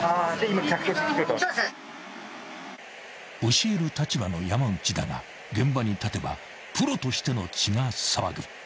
［教える立場の山内だが現場に立てばプロとしての血が騒ぐ］